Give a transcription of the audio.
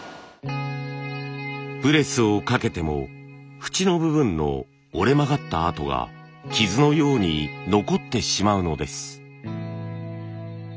プレスをかけてもフチの部分の折れ曲がったあとが傷のように残ってしまうのです。